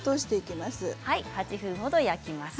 ８分ほど焼きます。